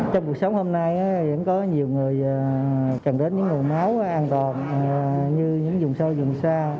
trong cuộc sống hôm nay vẫn có nhiều người cần đến những người máu an toàn như những dùng sao dùng sao